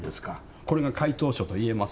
これが回答書といえます？